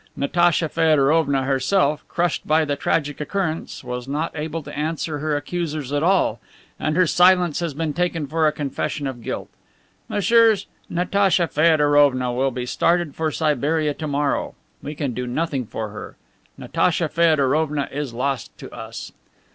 Natacha Feodorovna herself, crushed by the tragic occurrence, was not able to answer her accusers at all, and her silence has been taken for a confession of guilt. Messieurs, Natacha Feodorovna will be started for Siberia to morrow. We can do nothing for her. Natacha Feodorovna is lost to us."